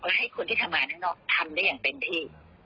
และให้คนที่ทำงานข้างนอกทำได้อย่างเต็มที่